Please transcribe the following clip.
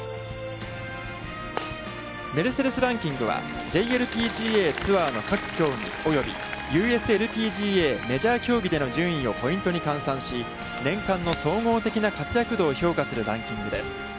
メルセデス・ランキングは、ＪＬＰＧＡツアーの各競技及びＵＳＬＰＧＡメジャー競技での順位をポイントに換算し、年間の総合的な活躍度を評価するランキングです。